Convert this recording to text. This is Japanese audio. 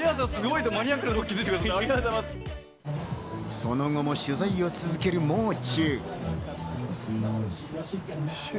その後も取材を続けるもう中。